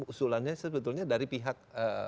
usulannya sebetulnya dari pihak